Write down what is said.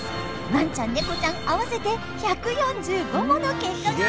ワンちゃんネコちゃん合わせて１４５もの結果が集まりました！